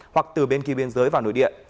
hoặc từ bên kia biên giới vào nội địa